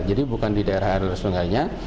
jadi bukan di daerah daerah sungainya